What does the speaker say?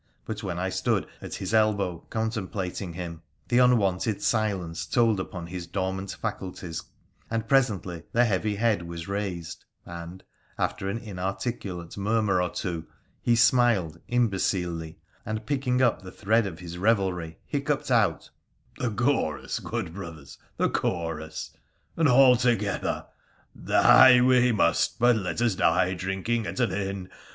But while I stood at his elbow contemplating him, the un wonted silence told upon his dormant faculties, and presently the heavy head was raised, and, after an inarticulate murmur or two, he smiled imbecilely, and, picking up the thread of his revelry, hiccuped out :' The chorus, good brothers !— the chorus — and all together !'— Die we must, but let us die drinking at an inn.